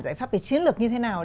giải pháp về chiến lược như thế nào